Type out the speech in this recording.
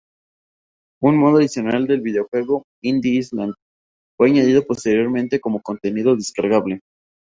Un modo adicional del videojuego, "Indie Island", fue añadido posteriormente como contenido descargable.